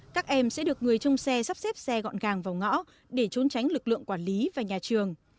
các em sẽ được người trong xe sắp xếp xe gọn gàng vào ngõ để trốn tránh lực lượng quản lý và nhà trường